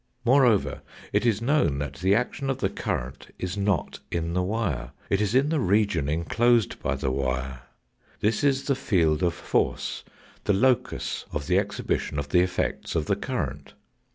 Moreover, it is known that the action of the current is not in the wire. It is in the region enclosed by the wire, this is the field of force, the locus of the exhibition of the effects of the current.